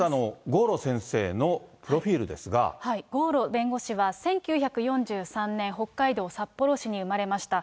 郷路弁護士は、１９４３年、北海道札幌市に生まれました。